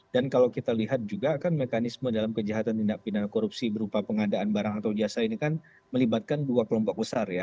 kalau kita lihat juga kan mekanisme dalam kejahatan tindak pindahan korupsi berupa pengadaan barang atau jasa ini kan melibatkan dua kelompok besar ya